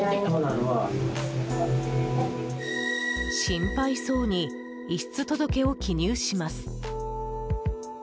心配そうに遺失届を記入します。